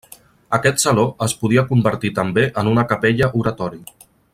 Aquest saló es podia convertir també en una capella-oratori.